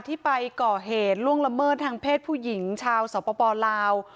ที่ไปก่อเหตุล่วงละเมิดทางเพศผู้หญิงชาวสปลาว